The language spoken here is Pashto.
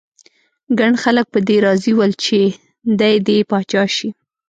ګڼ خلک په دې راضي ول چې دی دې پاچا شي.